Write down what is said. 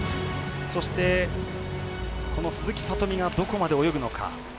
そして、鈴木聡美がどこまで泳ぐのか。